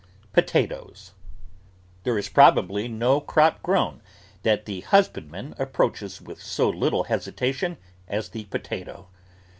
POTATOES There is probably no crop grown that the hus bandman approaches with so little hesitation as the potato.